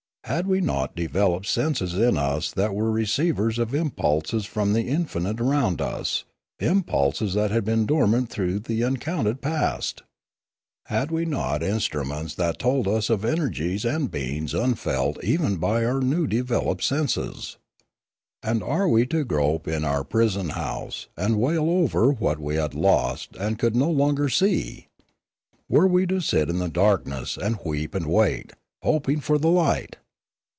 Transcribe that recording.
Had we not developed senses in us that were receivers of impulses from the infinite around us, impulses that had been dormant through the uncounted past ? Had we not instru ments that told us of energies and beings unfelt even 368 Limanora by our new developed senses? And were we to grope in our prison house, and wail over what we had lost and could not longer see ? Were we to sit in the darkness, and weep and wait, hoping for the light